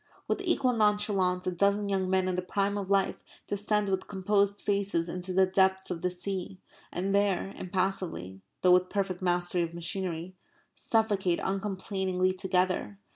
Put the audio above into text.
With equal nonchalance a dozen young men in the prime of life descend with composed faces into the depths of the sea; and there impassively (though with perfect mastery of machinery) suffocate uncomplainingly together.